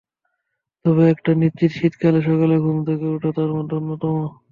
তবে এটা নিশ্চিত, শীতকালে সকালে ঘুম থেকে ওঠা তার মধ্যে অন্যতম।